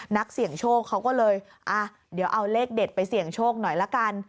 นักเสี่ยงโชคเขาก็เลยอ่ะเดี๋ยวเอาเลขเด็ดไปเสี่ยงโชคหน่อยละกัน